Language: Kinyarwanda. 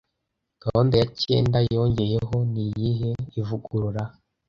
Gahunda ya cyenda yongeyeho niyihe Ivugurura